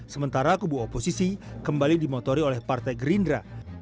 sementara kubu oposisi kembali dimotori oleh partai gerindra